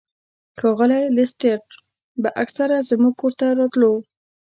ښاغلی لیسټرډ به اکثر زموږ کور ته راتلو.